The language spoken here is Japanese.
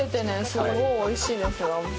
すごいおいしいですよ。